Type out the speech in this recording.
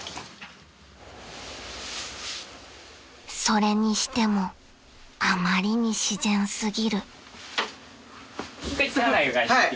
［それにしてもあまりに自然過ぎる］